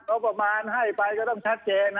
ประมาณให้ไปก็ต้องชัดเจน